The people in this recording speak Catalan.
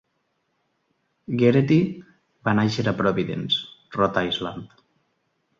Gerety va néixer a Providence, Rhode Island.